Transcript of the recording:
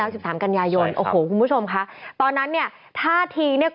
อ่าปีที่แล้ว๑๓กันยายนโอ้โหคุณผู้ชมคะตอนนั้นเนี่ยท่าทีเนี่ย